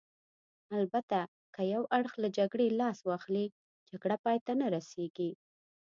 البته که یو اړخ له جګړې لاس واخلي، جګړه پای ته نه رسېږي.